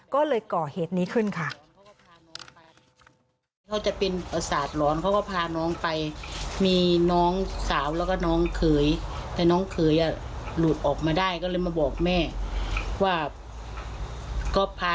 ก็เลยก่อเหตุนี้ขึ้นค่ะ